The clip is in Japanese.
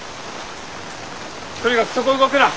とにかくそこを動くな。